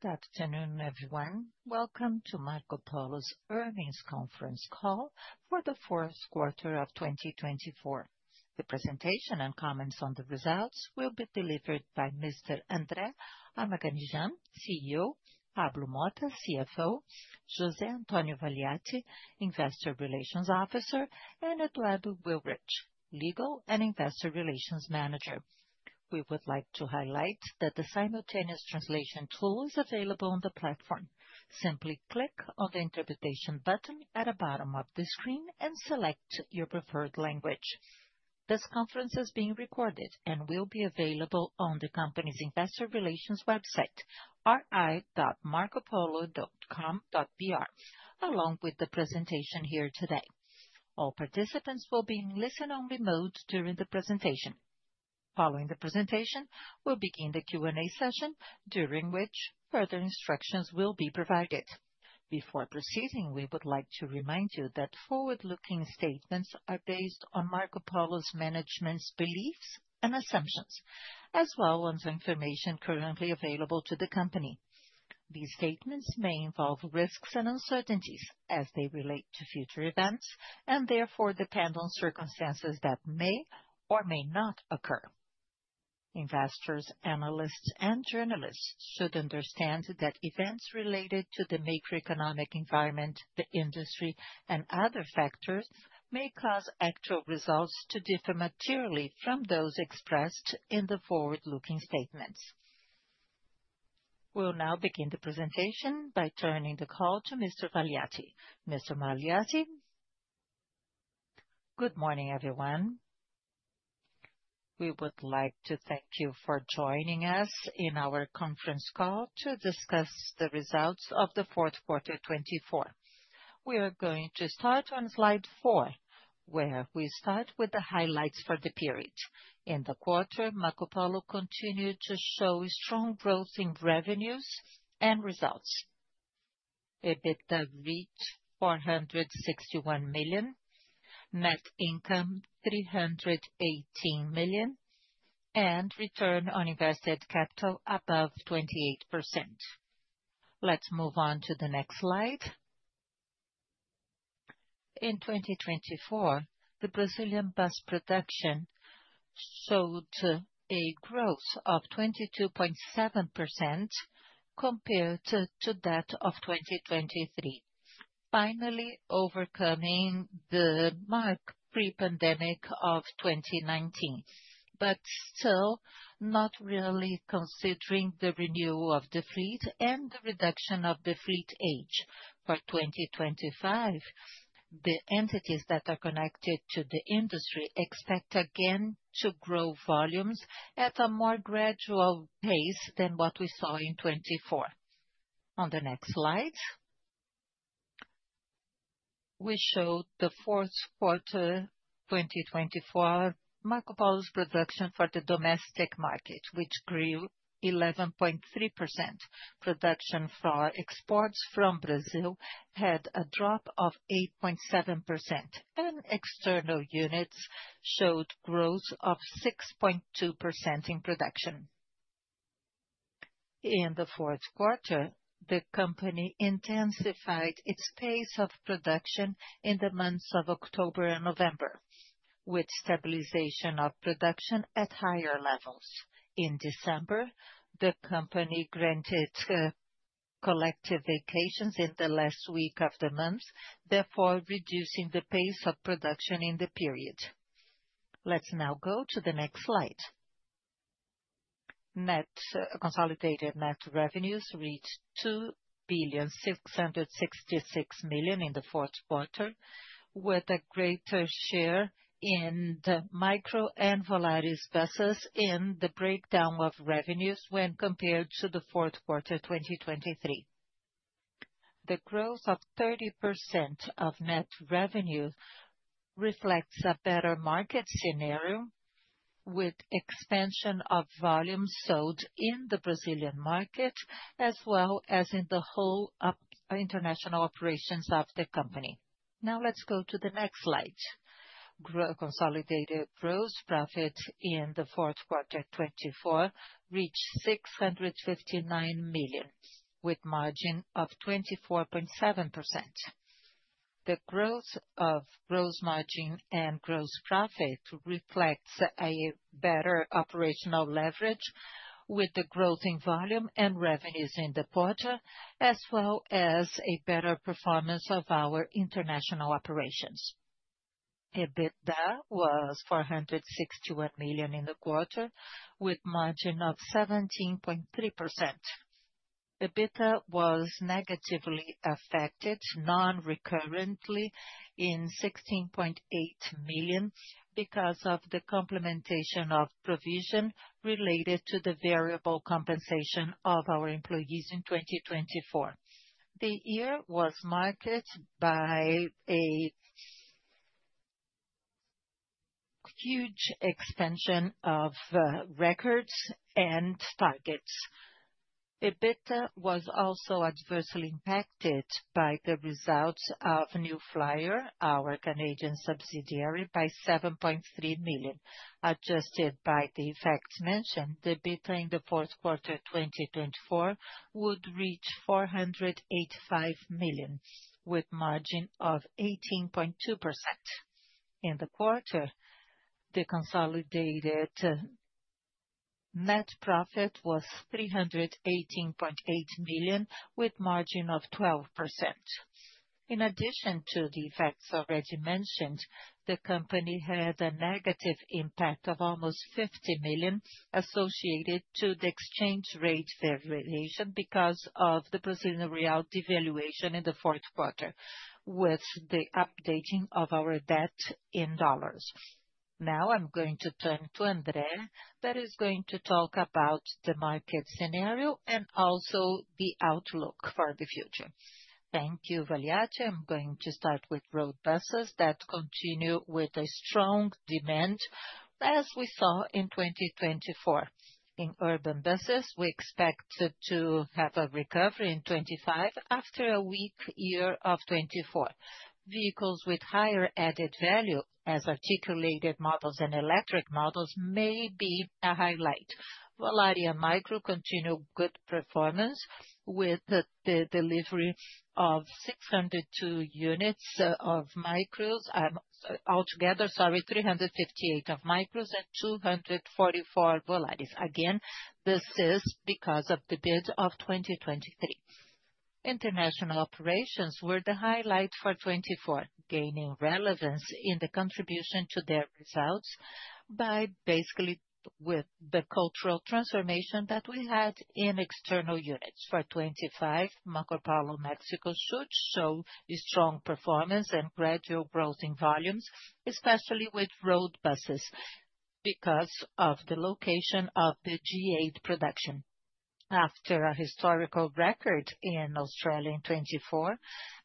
Good afternoon, everyone. Welcome to Marcopolo's Earnings Conference Call for the Fourth Quarter of 2024. The presentation and comments on the results will be delivered by Mr. André Armaganijan, CEO, Pablo Mota, CFO, José Antonio Valiati, Investor Relations Officer, and Eduardo Willrich, Legal and Investor Relations Manager. We would like to highlight that the simultaneous translation tool is available on the platform. Simply click on the interpretation button at the bottom of the screen and select your preferred language. This conference is being recorded and will be available on the company's Investor Relations website, ri.marcopolo.com.br, along with the presentation here today. All participants will be in listen-only mode during the presentation. Following the presentation, we'll begin the Q&A session, during which further instructions will be provided. Before proceeding, we would like to remind you that forward-looking statements are based on Marcopolo's management's beliefs and assumptions, as well as information currently available to the company. These statements may involve risks and uncertainties, as they relate to future events and therefore depend on circumstances that may or may not occur. Investors, analysts, and journalists should understand that events related to the macroeconomic environment, the industry, and other factors may cause actual results to differ materially from those expressed in the forward-looking statements. We'll now begin the presentation by turning the call to Mr. Valiati. Mr. Valiati, good morning, everyone. We would like to thank you for joining us in our conference call to discuss the results of the fourth quarter 2024. We are going to start on slide four, where we start with the highlights for the period. In the quarter, Marcopolo continued to show strong growth in revenues and results: EBITDA reached 461 million, net income 318 million, and return on invested capital above 28%. Let's move on to the next slide. In 2024, the Brazilian bus production showed a growth of 22.7% compared to that of 2023, finally overcoming the mark pre-pandemic of 2019. But still not really considering the renewal of the fleet and the reduction of the fleet age for 2025, the entities that are connected to the industry expect again to grow volumes at a more gradual pace than what we saw in 2024. On the next slide, we show the fourth quarter 2024, Marcopolo's production for the domestic market, which grew 11.3%. Production for exports from Brazil had a drop of 8.7%, and external units showed growth of 6.2% in production. In the fourth quarter, the company intensified its pace of production in the months of October and November, with stabilization of production at higher levels. In December, the company granted collective vacations in the last week of the month, therefore reducing the pace of production in the period. Let's now go to the next slide. Consolidated net revenues reached 2,666 million in the fourth quarter, with a greater share in the micro and Volare buses in the breakdown of revenues when compared to the fourth quarter 2023. The growth of 30% of net revenue reflects a better market scenario, with expansion of volumes sold in the Brazilian market as well as in the whole international operations of the company. Now let's go to the next slide. Consolidated gross profit in the fourth quarter 2024 reached 659 million, with margin of 24.7%. The growth of gross margin and gross profit reflects a better operational leverage with the growth in volume and revenues in the quarter, as well as a better performance of our international operations. EBITDA was 461 million in the quarter, with margin of 17.3%. EBITDA was negatively affected non-recurringly by 16.8 million because of the complementation of provision related to the variable compensation of our employees in 2024. The year was marked by a huge expansion of records and targets. EBITDA was also adversely impacted by the results of New Flyer, our Canadian subsidiary, by 7.3 million. Adjusted by the facts mentioned, the EBITDA in the fourth quarter 2024 would reach 485 million, with margin of 18.2%. In the quarter, the consolidated net profit was 318.8 million, with margin of 12%. In addition to the effects already mentioned, the company had a negative impact of almost 50 million associated to the exchange rate valuation because of the Brazilian real devaluation in the fourth quarter, with the updating of our debt in dollars. Now I'm going to turn to André, that is going to talk about the market scenario and also the outlook for the future. Thank you, Valiati. I'm going to start with road buses that continue with a strong demand, as we saw in 2024. In urban buses, we expect to have a recovery in 2025 after a weak year of 2024. Vehicles with higher added value, as articulated models and electric models, may be a highlight. Volare Micro continued good performance with the delivery of 602 units of micros altogether, sorry, 358 of micros and 244 Volares. Again, this is because of the bid of 2023. International operations were the highlight for 2024, gaining relevance in the contribution to their results by basically with the cultural transformation that we had in external units. For 2025, Marcopolo Mexico should show strong performance and gradual growth in volumes, especially with road buses because of the location of the G8 production. After a historical record in Australia in 2024,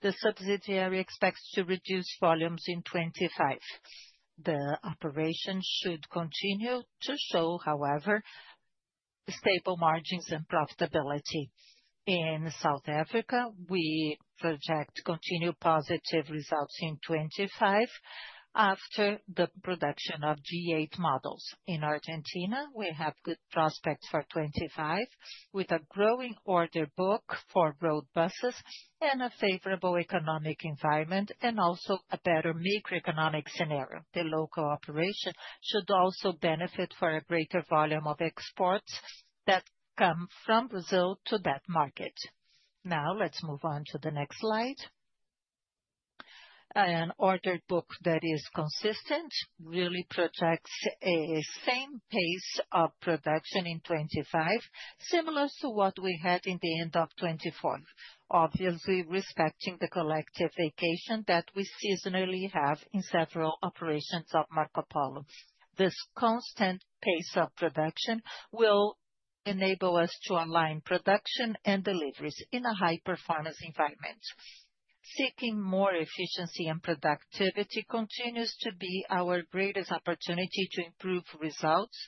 the subsidiary expects to reduce volumes in 2025. The operation should continue to show, however, stable margins and profitability. In South Africa, we project continued positive results in 2025 after the production of G8 models. In Argentina, we have good prospects for 2025, with a growing order book for road buses and a favorable economic environment and also a better macroeconomic scenario. The local operation should also benefit from a greater volume of exports that come from Brazil to that market. Now let's move on to the next slide. An order book that is consistent really projects a same pace of production in 2025, similar to what we had in the end of 2024, obviously respecting the collective vacation that we seasonally have in several operations of Marcopolo. This constant pace of production will enable us to align production and deliveries in a high-performance environment. Seeking more efficiency and productivity continues to be our greatest opportunity to improve results,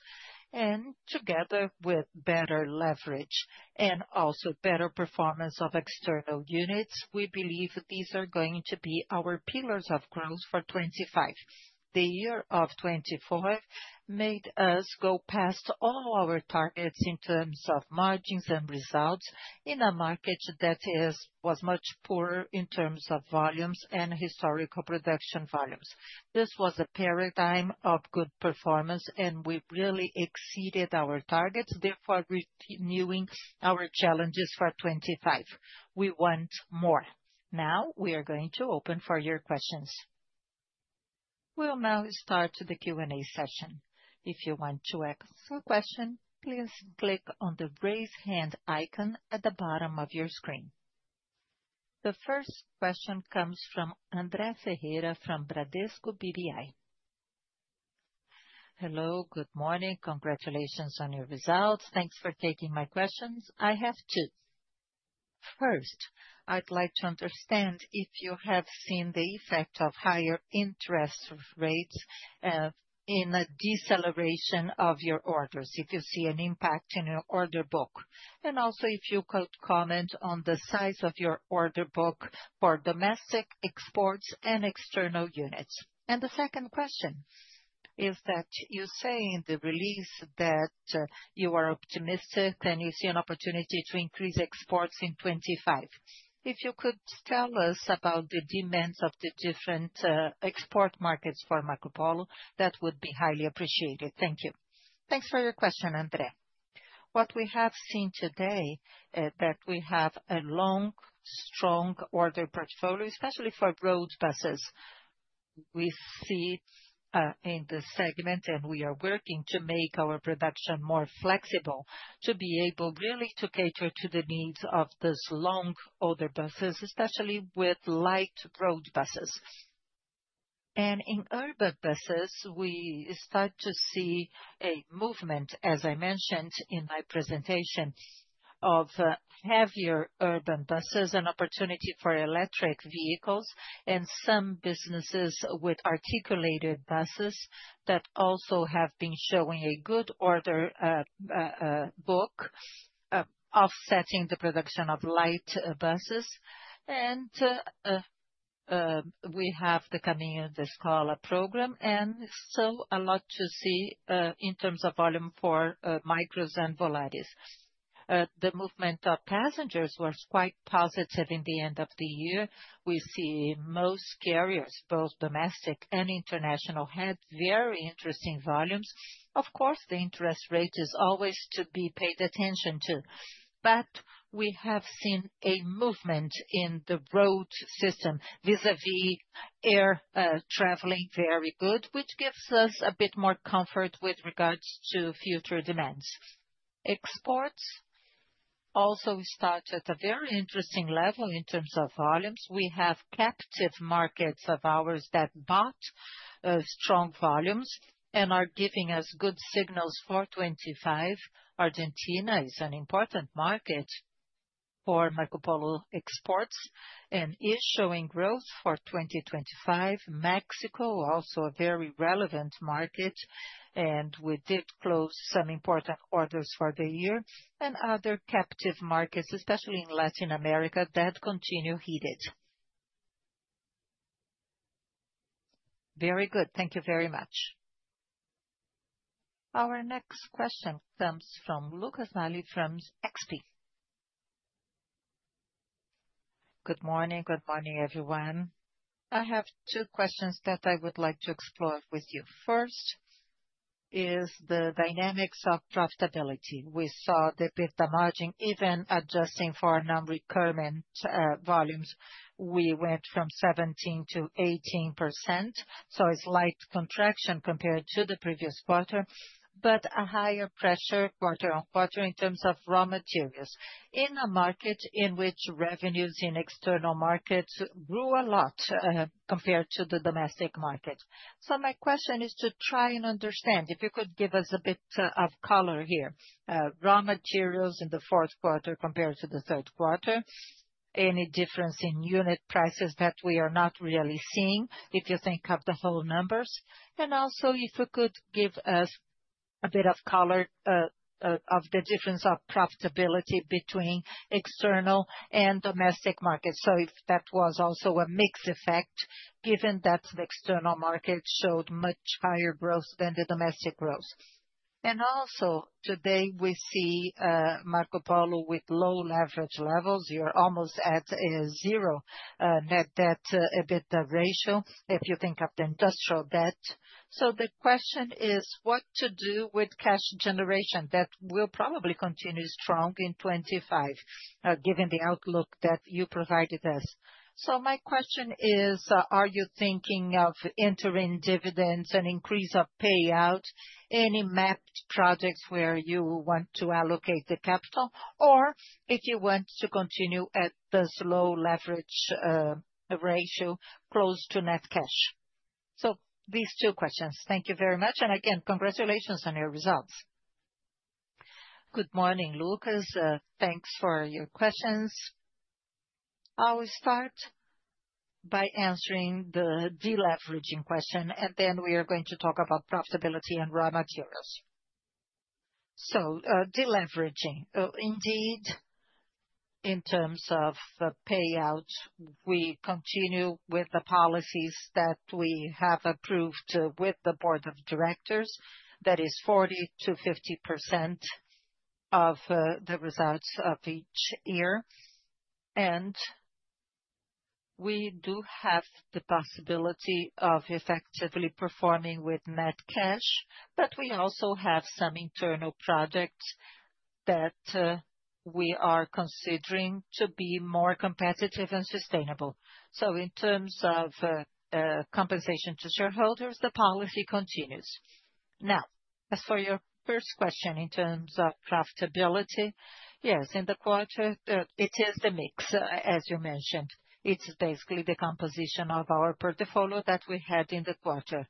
and together with better leverage and also better performance of external units, we believe these are going to be our pillars of growth for 2025. The year of 2024 made us go past all our targets in terms of margins and results in a market that was much poorer in terms of volumes and historical production volumes. This was a paradigm of good performance, and we really exceeded our targets, therefore renewing our challenges for 2025. We want more. Now we are going to open for your questions. We'll now start the Q&A session. If you want to ask a question, please click on the raise hand icon at the bottom of your screen. The first question comes from André Ferreira from Bradesco BBI. Hello, good morning. Congratulations on your results. Thanks for taking my questions. I have two. First, I'd like to understand if you have seen the effect of higher interest rates in a deceleration of your orders, if you see an impact in your order book, and also if you could comment on the size of your order book for domestic exports and external units, and the second question is that you say in the release that you are optimistic and you see an opportunity to increase exports in 2025. If you could tell us about the demands of the different export markets for Marcopolo, that would be highly appreciated. Thank you. Thanks for your question, André. What we have seen today is that we have a long, strong order portfolio, especially for road buses. We see in the segment, and we are working to make our production more flexible to be able really to cater to the needs of those long order buses, especially with light road buses. And in urban buses, we start to see a movement, as I mentioned in my presentation, of heavier urban buses, an opportunity for electric vehicles, and some businesses with articulated buses that also have been showing a good order book, offsetting the production of light buses. And we have the Caminho da Escola program, and so a lot to see in terms of volume for micros and Volares. The movement of passengers was quite positive in the end of the year. We see most carriers, both domestic and international, had very interesting volumes. Of course, the interest rate is always to be paid attention to. But we have seen a movement in the road system vis-à-vis air traveling very good, which gives us a bit more comfort with regards to future demands. Exports also start at a very interesting level in terms of volumes. We have captive markets of ours that bought strong volumes and are giving us good signals for 2025. Argentina is an important market for Marcopolo exports and is showing growth for 2025. Mexico, also a very relevant market, and we did close some important orders for the year. And other captive markets, especially in Latin America, that continue heated. Very good. Thank you very much. Our next question comes from Lucas Laghi from XP. Good morning. Good morning, everyone. I have two questions that I would like to explore with you. First is the dynamics of profitability. We saw the EBITDA margin even adjusting for non-recurrent volumes. We went from 17%-18%. So it's light contraction compared to the previous quarter, but a higher pressure quarter on quarter in terms of raw materials in a market in which revenues in external markets grew a lot compared to the domestic market. So my question is to try and understand if you could give us a bit of color here. Raw materials in the fourth quarter compared to the third quarter, any difference in unit prices that we are not really seeing if you think of the whole numbers? And also if you could give us a bit of color of the difference of profitability between external and domestic markets? So if that was also a mixed effect, given that the external market showed much higher growth than the domestic growth. And also today we see Marcopolo with low leverage levels. You're almost at a zero net debt EBITDA ratio if you think of the industrial debt. So the question is what to do with cash generation that will probably continue strong in 2025, given the outlook that you provided us. So my question is, are you thinking of increasing dividends and increase of payout, any major projects where you want to allocate the capital, or if you want to continue at the low leverage ratio close to net cash? So these two questions. Thank you very much. And again, congratulations on your results. Good morning, Lucas. Thanks for your questions. I'll start by answering the deleveraging question, and then we are going to talk about profitability and raw materials. Deleveraging, indeed, in terms of payout, we continue with the policies that we have approved with the board of directors. That is 40%-50% of the results of each year. We do have the possibility of effectively performing with net cash, but we also have some internal projects that we are considering to be more competitive and sustainable. In terms of compensation to shareholders, the policy continues. Now, as for your first question in terms of profitability, yes, in the quarter, it is the mix, as you mentioned. It's basically the composition of our portfolio that we had in the quarter.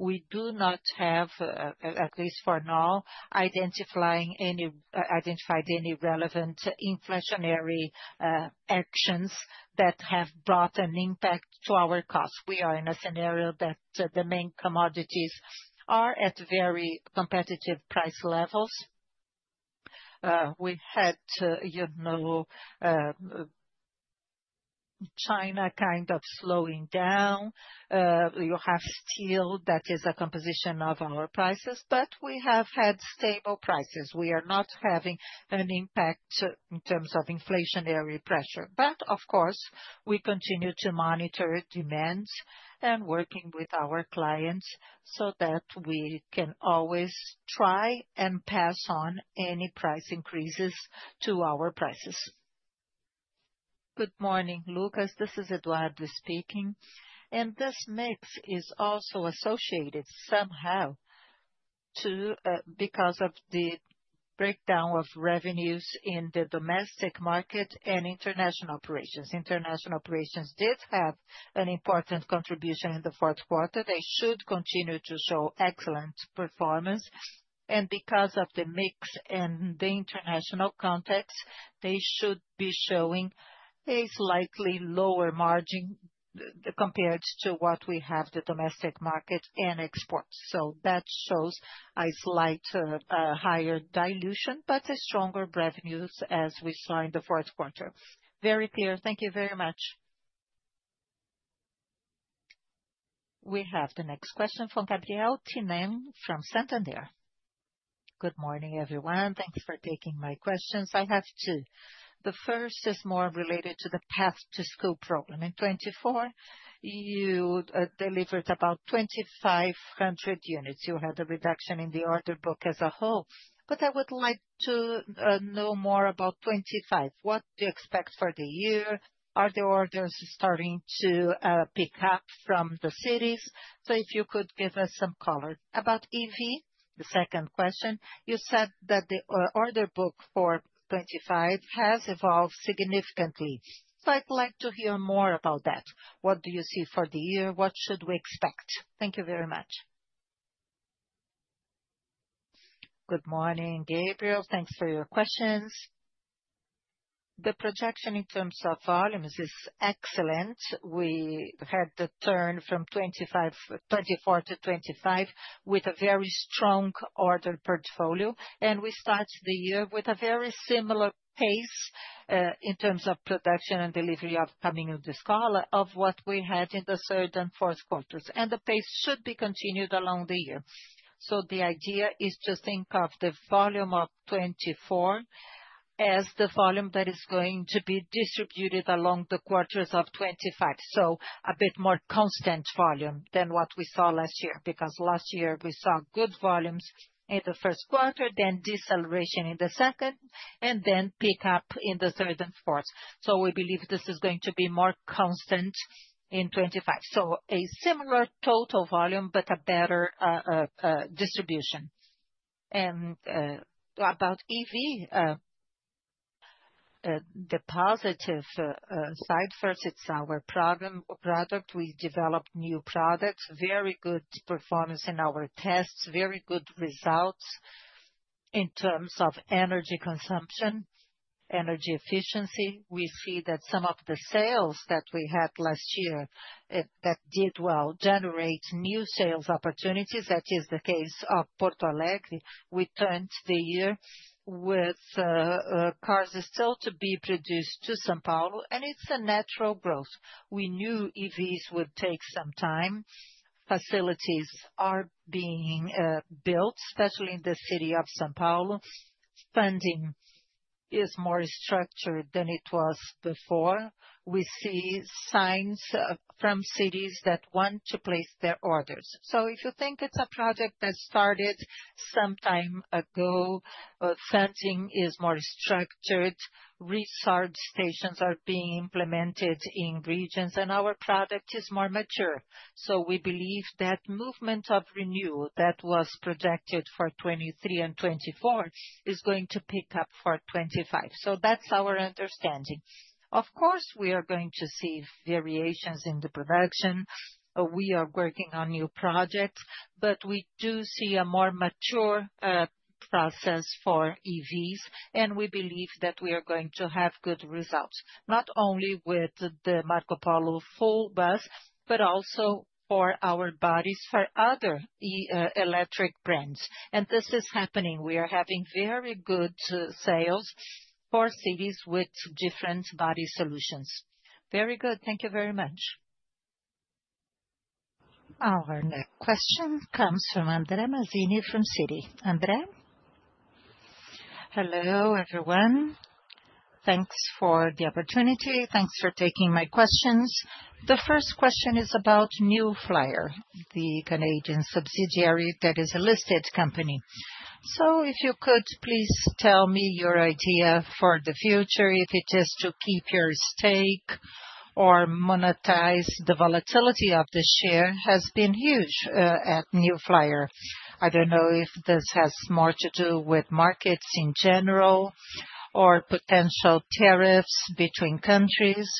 We do not have, at least for now, identified any relevant inflationary actions that have brought an impact to our costs. We are in a scenario that the main commodities are at very competitive price levels. We had, you know, China kind of slowing down. You have steel that is a composition of our prices, but we have had stable prices. We are not having an impact in terms of inflationary pressure. But of course, we continue to monitor demands and working with our clients so that we can always try and pass on any price increases to our prices. Good morning, Lucas. This is Eduardo speaking. This mix is also associated somehow because of the breakdown of revenues in the domestic market and international operations. International operations did have an important contribution in the fourth quarter. They should continue to show excellent performance. Because of the mix and the international context, they should be showing a slightly lower margin compared to what we have, the domestic market and exports. So that shows a slight higher dilution, but stronger revenues as we saw in the fourth quarter. Very clear. Thank you very much. We have the next question from Gabriel Tinem from Santander. Good morning, everyone. Thanks for taking my questions. I have two. The first is more related to the Path to School program. In 2024, you delivered about 2,500 units. You had a reduction in the order book as a whole. But I would like to know more about 2025. What do you expect for the year? Are the orders starting to pick up from the cities? So if you could give us some color. About EV, the second question, you said that the order book for 2025 has evolved significantly. So I'd like to hear more about that. What do you see for the year? What should we expect? Thank you very much. Good morning, Gabriel. Thanks for your questions. The projection in terms of volumes is excellent. We had the turn from 2024 to 2025 with a very strong order portfolio. And we start the year with a very similar pace in terms of production and delivery of Caminho da Escola of what we had in the third and fourth quarters. And the pace should be continued along the year. So the idea is to think of the volume of 2024 as the volume that is going to be distributed along the quarters of 2025. So a bit more constant volume than what we saw last year, because last year we saw good volumes in the first quarter, then deceleration in the second, and then pickup in the third and fourth. So we believe this is going to be more constant in 2025. So a similar total volume, but a better distribution. And about EV, the positive side first, it's our product. We developed new products, very good performance in our tests, very good results in terms of energy consumption, energy efficiency. We see that some of the sales that we had last year that did well generate new sales opportunities. That is the case of Porto Alegre. We turned the year with cars still to be produced to São Paulo, and it's a natural growth. We knew EVs would take some time. Facilities are being built, especially in the city of São Paulo. Funding is more structured than it was before. We see signs from cities that want to place their orders. So if you think it's a project that started some time ago, funding is more structured. Resource stations are being implemented in regions, and our product is more mature. So we believe that movement of renewal that was projected for 2023 and 2024 is going to pick up for 2025. So that's our understanding. Of course, we are going to see variations in the production. We are working on new projects, but we do see a more mature process for EVs, and we believe that we are going to have good results, not only with the Marcopolo full bus, but also for our bodies for other electric brands. And this is happening. We are having very good sales for cities with different body solutions. Very good. Thank you very much. Our next question comes from André Mazini from Citi. André? Hello, everyone. Thanks for the opportunity. Thanks for taking my questions. The first question is about New Flyer, the Canadian subsidiary that is a listed company. So if you could please tell me your idea for the future, if it is to keep your stake or monetize the volatility of the share, which has been huge at New Flyer. I don't know if this has more to do with markets in general or potential tariffs between countries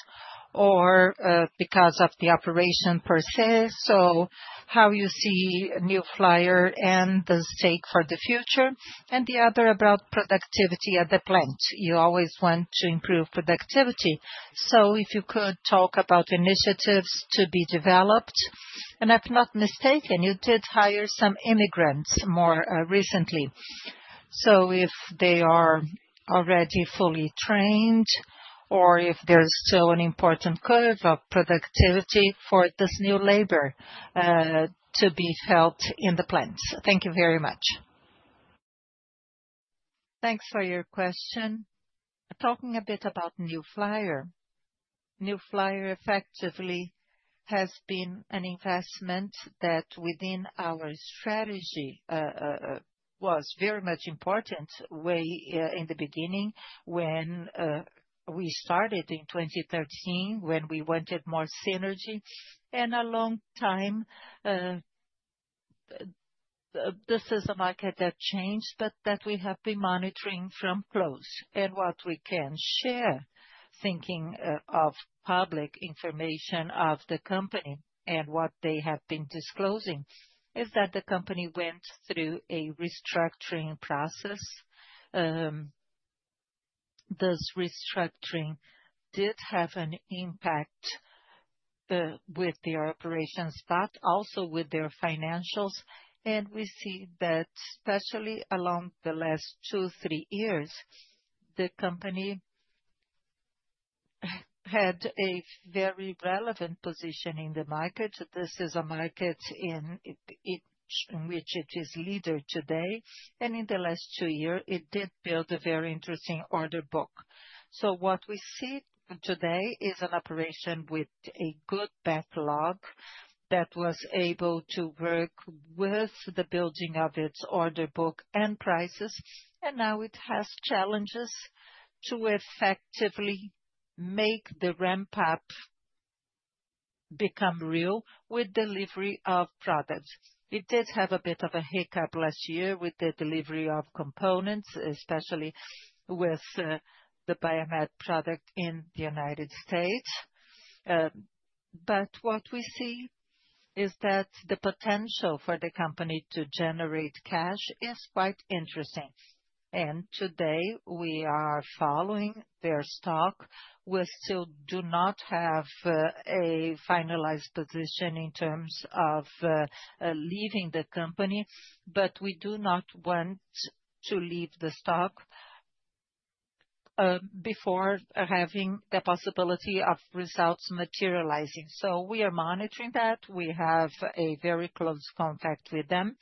or because of the operation per se. So how you see New Flyer and the stake for the future? And the other about productivity at the plant. You always want to improve productivity. So if you could talk about initiatives to be developed. And if not mistaken, you did hire some immigrants more recently. So if they are already fully trained or if there's still an important curve of productivity for this new labor to be felt in the plants. Thank you very much. Thanks for your question. Talking a bit about New Flyer. New Flyer effectively has been an investment that within our strategy was very much important in the beginning when we started in 2013, when we wanted more synergy, and for a long time, this is a market that changed, but that we have been monitoring closely, and what we can share, thinking of public information of the company and what they have been disclosing, is that the company went through a restructuring process. This restructuring did have an impact on their operations, but also with their financials, and we see that especially along the last two, three years, the company had a very relevant position in the market. This is a market in which it is leader today, and in the last two years, it did build a very interesting order book. So what we see today is an operation with a good backlog that was able to work with the building of its order book and prices. And now it has challenges to effectively make the ramp-up become real with delivery of products. It did have a bit of a hiccup last year with the delivery of components, especially with the Biomed product in the United States. But what we see is that the potential for the company to generate cash is quite interesting. And today we are following their stock. We still do not have a finalized position in terms of leaving the company, but we do not want to leave the stock before having the possibility of results materializing. So we are monitoring that. We have a very close contact with them.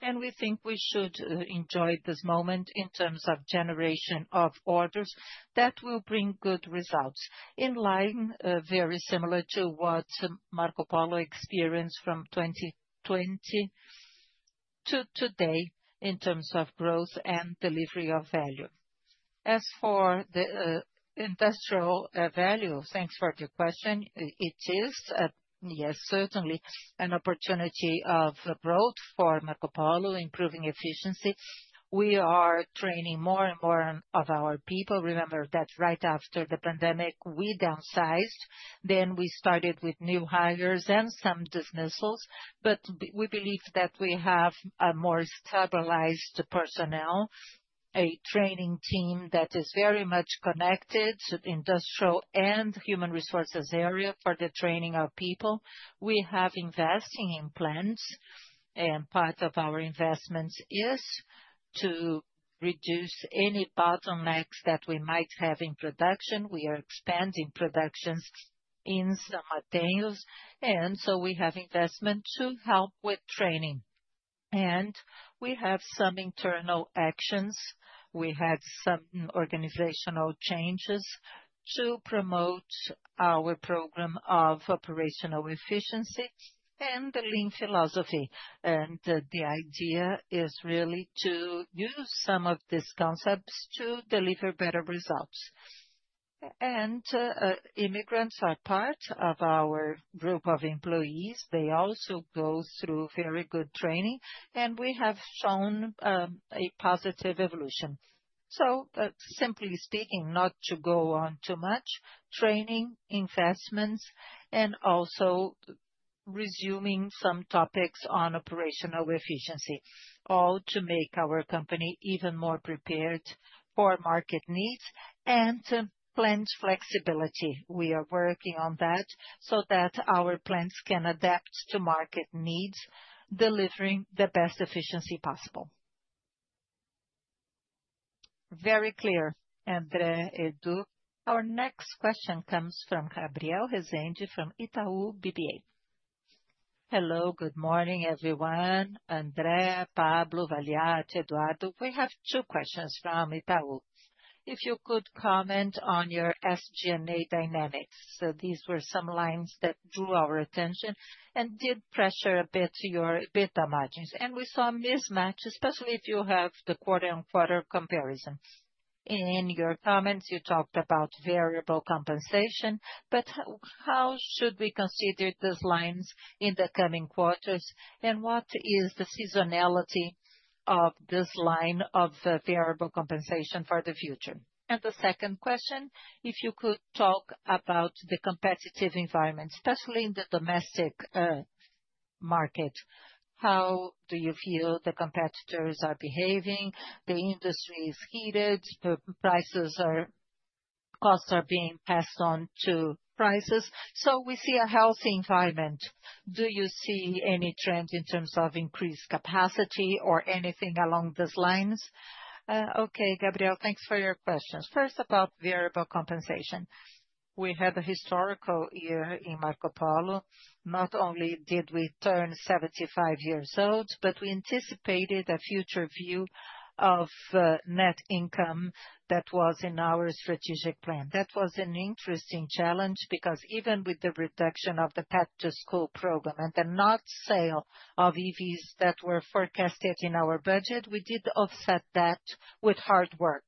And we think we should enjoy this moment in terms of generation of orders that will bring good results, in line very similar to what Marcopolo experienced from 2020 to today in terms of growth and delivery of value. As for the industrial value, thanks for the question. It is, yes, certainly an opportunity of growth for Marcopolo, improving efficiency. We are training more and more of our people. Remember that right after the pandemic, we downsized. Then we started with new hires and some dismissals. But we believe that we have a more stabilized personnel, a training team that is very much connected to the industrial and human resources area for the training of people. We have investing in plants. And part of our investments is to reduce any bottlenecks that we might have in production. We are expanding productions in some details. And so we have investment to help with training. And we have some internal actions. We had some organizational changes to promote our program of operational efficiency and the lean philosophy. And the idea is really to use some of these concepts to deliver better results. And immigrants are part of our group of employees. They also go through very good training. And we have shown a positive evolution. So simply speaking, not to go on too much, training, investments, and also resuming some topics on operational efficiency, all to make our company even more prepared for market needs and plant flexibility. We are working on that so that our plants can adapt to market needs, delivering the best efficiency possible. Very clear, André, Edu. Our next question comes from Gabriel Rezende from Itaú BBA. Hello, good morning, everyone. André, Pablo, Valiati, Eduardo, we have two questions from Itaú. If you could comment on your SG&A dynamics? So these were some lines that drew our attention and did pressure a bit to your EBITDA margins. And we saw mismatch, especially if you have the quarter-on-quarter comparison. In your comments, you talked about variable compensation. But how should we consider these lines in the coming quarters? And what is the seasonality of this line of variable compensation for the future? And the second question, if you could talk about the competitive environment, especially in the domestic market, how do you feel the competitors are behaving? The industry is heated. Prices and costs are being passed on to prices. So we see a healthy environment. Do you see any trend in terms of increased capacity or anything along those lines? Okay, Gabriel, thanks for your questions. First, about variable compensation. We had a historic year in Marcopolo. Not only did we turn 75 years old, but we anticipated a future view of net income that was in our strategic plan. That was an interesting challenge because even with the reduction of the Path to School program and the non-sale of EVs that were forecasted in our budget, we did offset that with hard work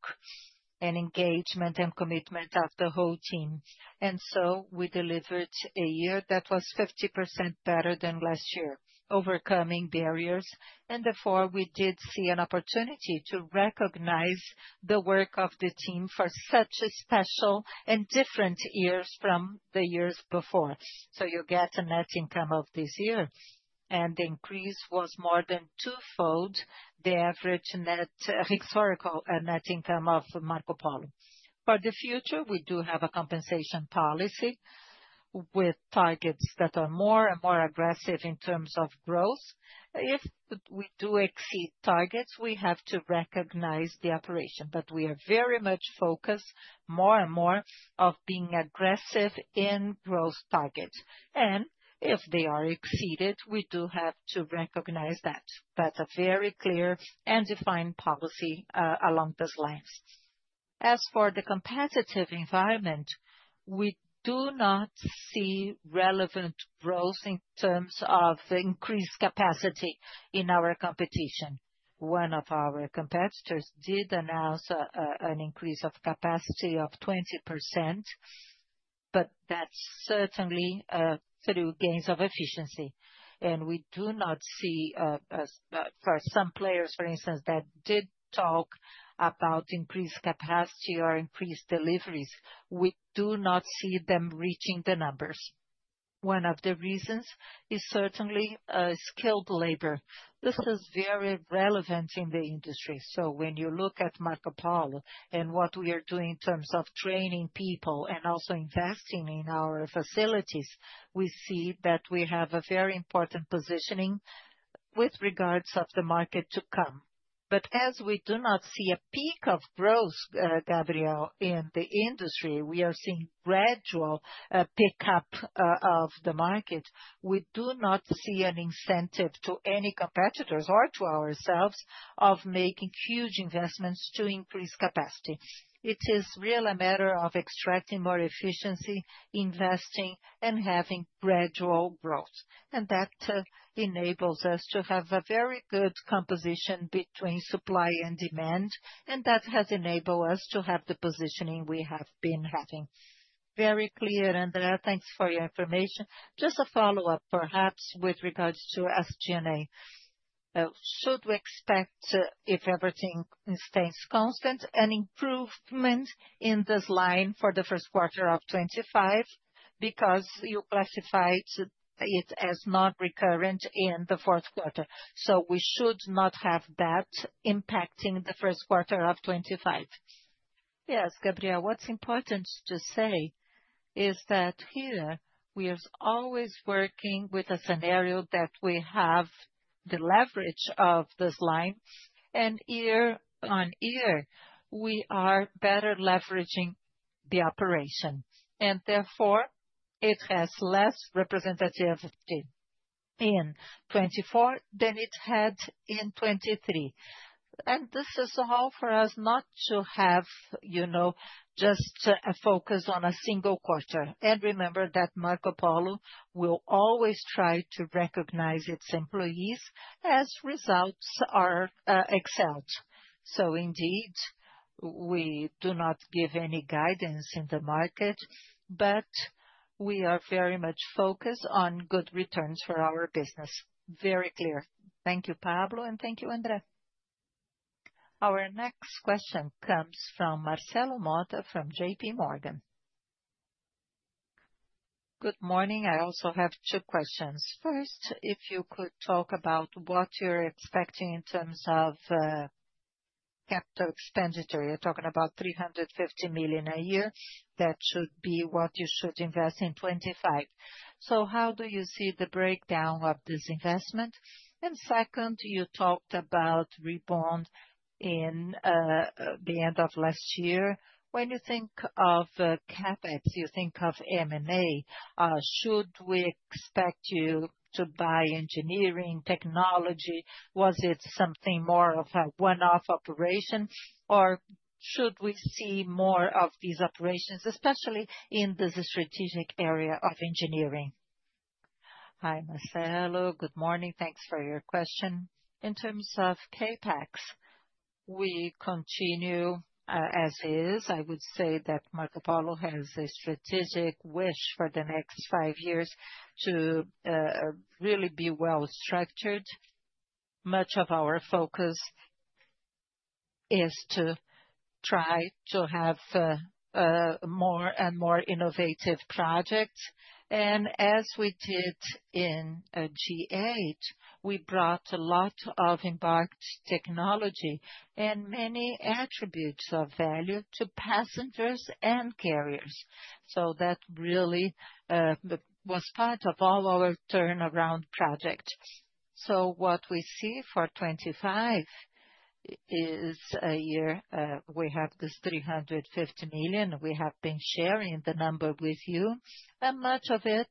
and engagement and commitment of the whole team, and so we delivered a year that was 50% better than last year, overcoming barriers, and therefore, we did see an opportunity to recognize the work of the team for such a special and different years from the years before, so you get a net income of this year, and the increase was more than twofold the average net historical net income of Marcopolo. For the future, we do have a compensation policy with targets that are more and more aggressive in terms of growth. If we do exceed targets, we have to recognize the operation, but we are very much focused more and more on being aggressive in growth targets, and if they are exceeded, we do have to recognize that. That's a very clear and defined policy along those lines. As for the competitive environment, we do not see relevant growth in terms of increased capacity in our competition. One of our competitors did announce an increase of capacity of 20%, but that's certainly through gains of efficiency, and we do not see, for some players, for instance, that did talk about increased capacity or increased deliveries. We do not see them reaching the numbers. One of the reasons is certainly skilled labor. This is very relevant in the industry. So when you look at Marcopolo and what we are doing in terms of training people and also investing in our facilities, we see that we have a very important positioning with regards to the market to come. But as we do not see a peak of growth, Gabriel, in the industry, we are seeing gradual pickup of the market. We do not see an incentive to any competitors or to ourselves of making huge investments to increase capacity. It is really a matter of extracting more efficiency, investing, and having gradual growth. And that enables us to have a very good composition between supply and demand. And that has enabled us to have the positioning we have been having. Very clear, André. Thanks for your information. Just a follow-up, perhaps, with regards to SG&A. Should we expect, if everything stays constant, an improvement in this line for the first quarter of 2025? Because you classified it as not recurrent in the fourth quarter. So we should not have that impacting the first quarter of 2025. Yes, Gabriel, what's important to say is that here we are always working with a scenario that we have the leverage of this line. And year-on-year, we are better leveraging the operation. And therefore, it has less representativity in 2024 than it had in 2023. And this is all for us not to have just a focus on a single quarter. And remember that Marcopolo will always try to recognize its employees as results are excellent. So indeed, we do not give any guidance in the market, but we are very much focused on good returns for our business. Very clear. Thank you, Pablo, and thank you, André. Our next question comes from Marcelo Motta from J.P. Morgan. Good morning. I also have two questions. First, if you could talk about what you're expecting in terms of capital expenditure? You're talking about 350 million a year. That should be what you should invest in 2025. So how do you see the breakdown of this investment? And second, you talked about Reborn in the end of last year. When you think of CapEx, you think of M&A. Should we expect you to buy engineering, technology? Was it something more of a one-off operation? Or should we see more of these operations, especially in this strategic area of engineering? Hi, Marcelo. Good morning. Thanks for your question. In terms of CapEx, we continue as is. I would say that Marcopolo has a strategic wish for the next five years to really be well-structured. Much of our focus is to try to have more and more innovative projects, and as we did in G8, we brought a lot of onboard technology and many attributes of value to passengers and carriers, so that really was part of all our turnaround projects, so what we see for 2025 is a year we have this 350 million. We have been sharing the number with you, and much of it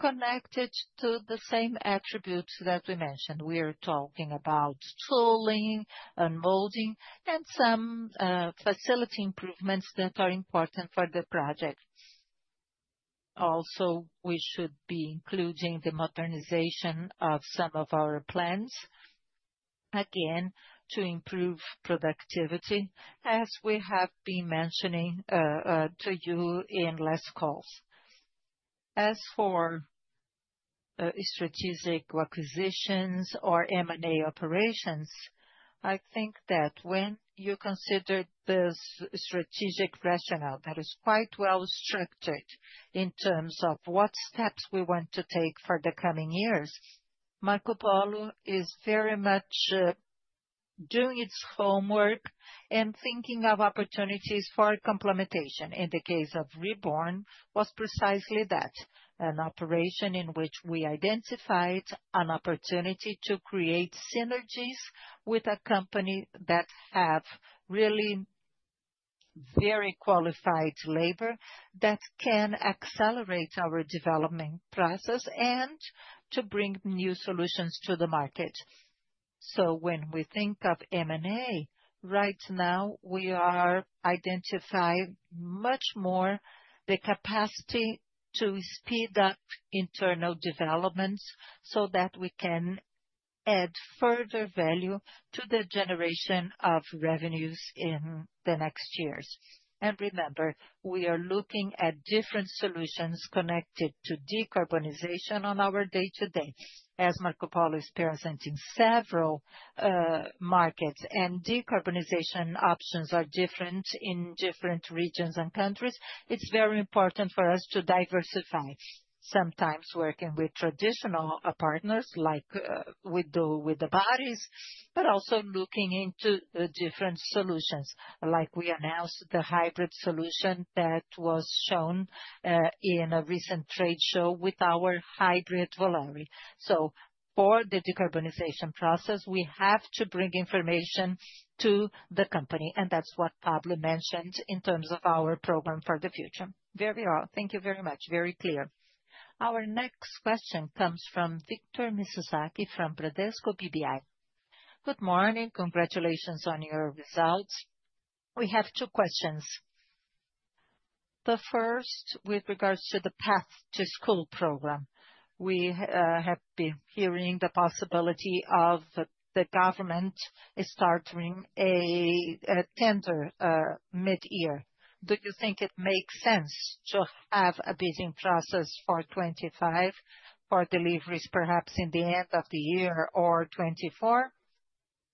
connected to the same attributes that we mentioned. We are talking about tooling, unmolding, and some facility improvements that are important for the project. Also, we should be including the modernization of some of our plants, again, to improve productivity, as we have been mentioning to you in last calls. As for strategic acquisitions or M&A operations, I think that when you consider this strategic rationale that is quite well-structured in terms of what steps we want to take for the coming years, Marcopolo is very much doing its homework and thinking of opportunities for complementation. In the case of Reborn, was precisely that, an operation in which we identified an opportunity to create synergies with a company that has really very qualified labor that can accelerate our development process and to bring new solutions to the market. So when we think of M&A, right now, we are identifying much more the capacity to speed up internal developments so that we can add further value to the generation of revenues in the next years. And remember, we are looking at different solutions connected to decarbonization on our day-to-day. As Marcopolo is presenting several markets and decarbonization options are different in different regions and countries, it's very important for us to diversify, sometimes working with traditional partners like we do with the bodies, but also looking into different solutions, like we announced the hybrid solution that was shown in a recent trade show with our hybrid Volare, so for the decarbonization process, we have to bring information to the company, and that's what Pablo mentioned in terms of our program for the future. Very well. Thank you very much. Very clear. Our next question comes from Victor Mizusaki from Bradesco BBI. Good morning. Congratulations on your results. We have two questions. The first, with regards to the Path to School program. We have been hearing the possibility of the government starting a tender mid-year. Do you think it makes sense to have a bidding process for 2025 for deliveries, perhaps in the end of the year or 2024?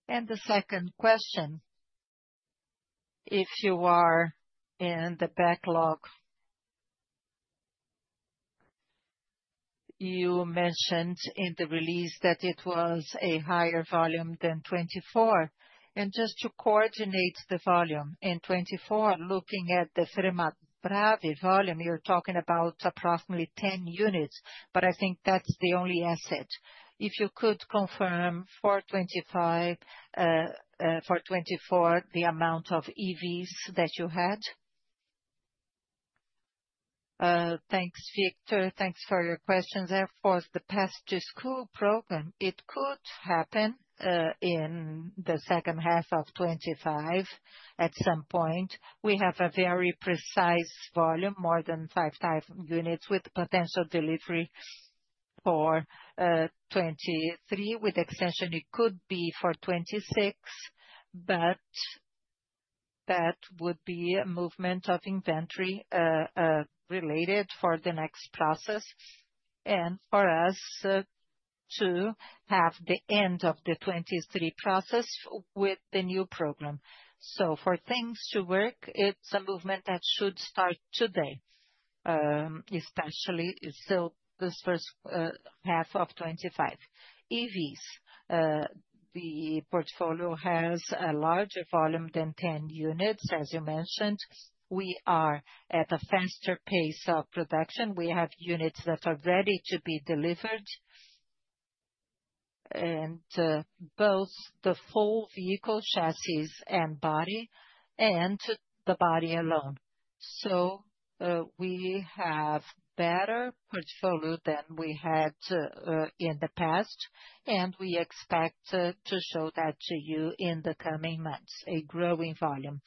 And the second question, if you are in the backlog, you mentioned in the release that it was a higher volume than 2024. And just to coordinate the volume in 2024, looking at the from the Fenabrave volume, you are talking about approximately 10 units. But I think that is the only asset. If you could confirm for 2025, for 2024, the amount of EVs that you had. Thanks, Victor. Thanks for your questions, and for the Path to School program, it could happen in the second half of 2025 at some point. We have a very precise volume, more than 5,000 units with potential delivery for 2023. With extension, it could be for 2026, but that would be a movement of inventory related for the next process and for us to have the end of the 2023 process with the new program. For things to work, it's a movement that should start today, especially still this first half of 2025. EVs, the portfolio has a larger volume than 10 units, as you mentioned. We are at a faster pace of production. We have units that are ready to be delivered, both the full vehicle chassis and body and the body alone. We have a better portfolio than we had in the past, and we expect to show that to you in the coming months, a growing volume.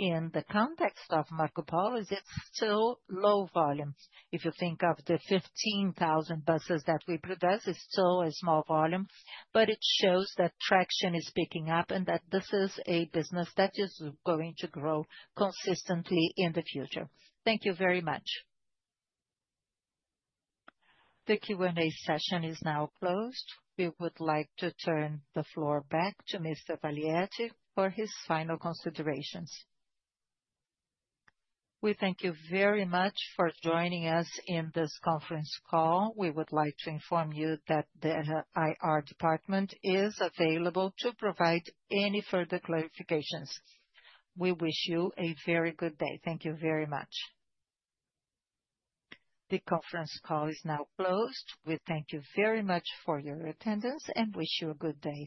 In the context of Marcopolo, it's still low volume. If you think of the 15,000 buses that we produce, it's still a small volume, but it shows that traction is picking up and that this is a business that is going to grow consistently in the future. Thank you very much. The Q&A session is now closed. We would like to turn the floor back to Mr. Valiati for his final considerations. We thank you very much for joining us in this conference call. We would like to inform you that the IR department is available to provide any further clarifications. We wish you a very good day. Thank you very much. The conference call is now closed. We thank you very much for your attendance and wish you a good day.